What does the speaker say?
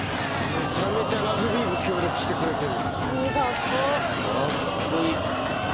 めちゃめちゃラグビー部協力してくれてる。